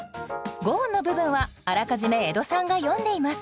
五音の部分はあらかじめ江戸さんが詠んでいます。